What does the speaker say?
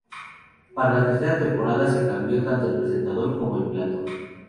Para la tercera temporada se cambió tanto al presentador como el plató.